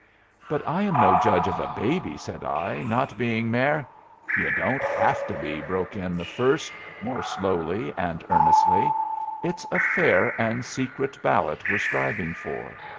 "But I am no judge of a baby," said I; "not being mar " "You don't have to be," broke in the first, more slowly and earnestly. "It's a fair and secret ballot we're striving for.